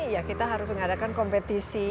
ya kita harus mengadakan kompetisi